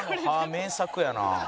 名作やな。